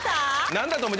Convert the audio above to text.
何だと思う？